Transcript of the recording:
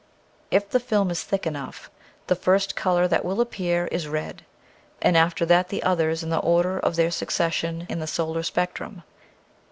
If the film is thick enough the first color that will appear is red, and after that the others in the order of their succession in the solar spectrum.